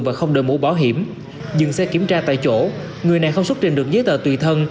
và không đổi mũ bảo hiểm dừng xe kiểm tra tại chỗ người này không xuất trình được giấy tờ tùy thân